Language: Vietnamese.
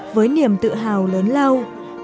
với niềm tự hào lớn lao